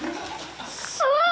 すごい！